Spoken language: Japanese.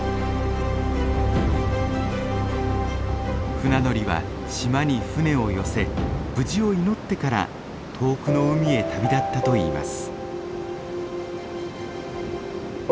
船乗りは島に船を寄せ無事を祈ってから遠くの海へ旅立ったといいます。